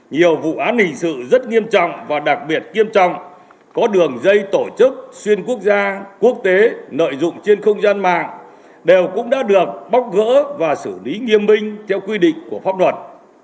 nhiều vụ án hình sự rất nghiêm trọng và đặc biệt nghiêm trọng có đường dây tổ chức xuyên quốc gia quốc tế nợ dụng trên không gian mạng đều cũng đã được bóc gỡ và xử lý nghiêm minh theo quy định của pháp luật